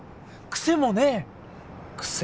癖もね癖？